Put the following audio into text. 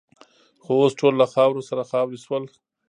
خو اوس ټول له خاورو سره خاوروې شول.